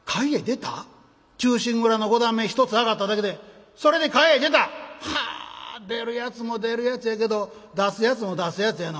『忠臣蔵』の五段目一つ上がっただけでそれで会へ出た？はあ出るやつも出るやつやけど出すやつも出すやつやな。